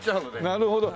なるほど。